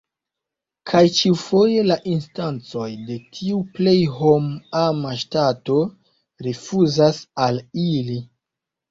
Kaj ĉiufoje la instancoj de tiu „plej hom-ama ŝtato” rifuzas al ili.